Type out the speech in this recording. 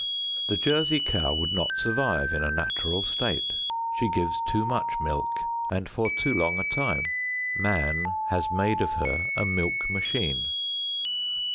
The Jersey cow would not survive in a natural state. She gives too much milk and for too long a time. Man has made of her a milk machine.